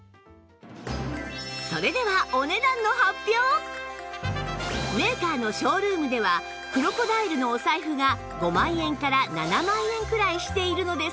それではメーカーのショールームではクロコダイルのお財布が５万円から７万円くらいしているのですが